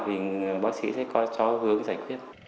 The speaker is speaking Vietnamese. thì bác sĩ sẽ có hướng giải quyết